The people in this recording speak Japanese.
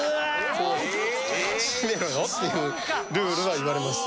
こう閉めろよっていうルールは言われました。